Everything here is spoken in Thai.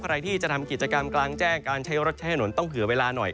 ใครที่จะทำกิจกรรมกลางแจ้งการใช้รถใช้ถนนต้องเผื่อเวลาหน่อย